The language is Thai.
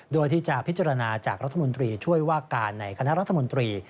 โดยที่จะพิจารณาจากรัฐมนตรีช่วยว่าการในคณะรัฐมนตรี